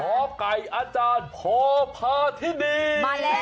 ไก่อาจารย์โพพาธินีมาแล้ว